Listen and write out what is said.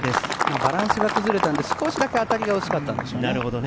バランスが崩れたんで、少しだけ当たりが薄かったんでしょうね。